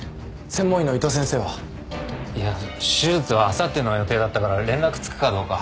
専門医の伊藤先生は？いや手術はあさっての予定だったから連絡つくかどうか。